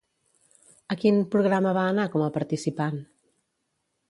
A quin programa va anar com a participant?